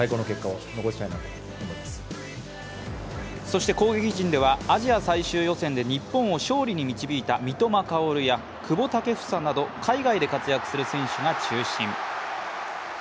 そして攻撃陣ではアジア最終予選で日本を勝利に導いた三笘薫や久保建英など、海外で活躍する選手が中心。